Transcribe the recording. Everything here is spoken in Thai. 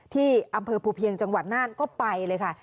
ที่อำเภอภูเพียงจังหวัดน่านก็ไปเลยค่ะ